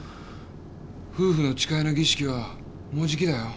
夫婦の誓いの儀式はもうじきだよ。